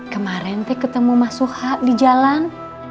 kemarin teh ketemu mas suha di jalan